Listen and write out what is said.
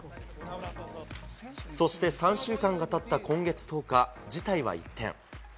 そして３週間が経った今月１０日、事態は一転。